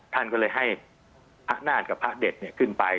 ท่านก็เลยให้พระนาฏกับพระเด็ดขึ้นไป